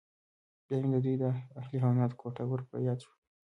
بیا مې د دوی د اهلي حیواناتو کوټه ور په یاد شوه